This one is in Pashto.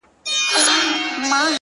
چي تا به وغوښتل ما هغه دم راوړل گلونه!!